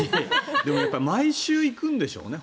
でも毎週行くんでしょうね。